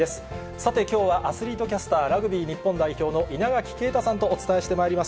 さてきょうは、アスリートキャスター、ラグビー日本代表の稲垣啓太さんとお伝えしてまいります。